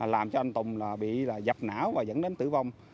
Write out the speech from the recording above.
làm cho anh tùng bị dập não và dẫn đến tử vong